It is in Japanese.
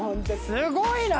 すごいな！